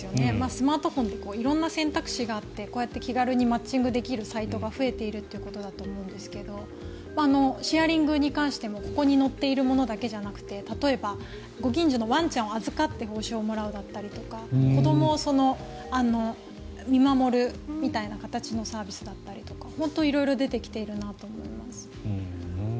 スマートフォンで色々な選択肢があってこうやって気軽にマッチングできるサイトが増えているということだと思うんですがシェアリングに関しても、ここに載ってるものだけじゃなくて例えばご近所のワンちゃんを預かって報酬をもらうだとか子どもを見守るみたいな形のサービスだったりとか本当に色々出てきてるなと思います。